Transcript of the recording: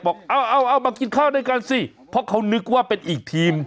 บอกเอาเอามากินข้าวด้วยกันสิเพราะเขานึกว่าเป็นอีกทีม